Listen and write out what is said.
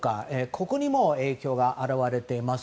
ここにも影響が表れています。